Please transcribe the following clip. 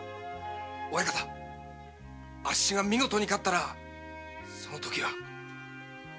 親方アッシが見事に勝ったらその時は。